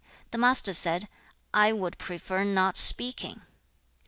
The Master said, 'I would prefer not speaking.'